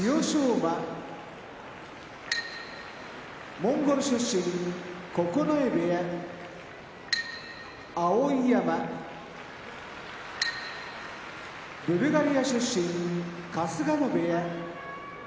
馬モンゴル出身九重部屋碧山ブルガリア出身春日野部屋